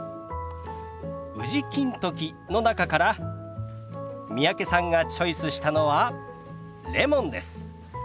宇治金時の中から三宅さんがチョイスしたのはレモンです。